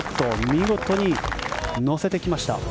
見事に乗せてきました。